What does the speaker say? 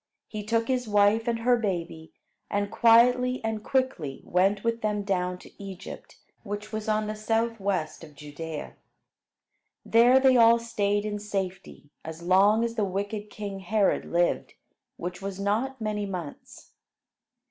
He took his wife and her baby, and quietly and quickly went with them down to Egypt, which was on the southwest of Judea. There they all stayed in safety, as long as the wicked king Herod lived, which was not many months.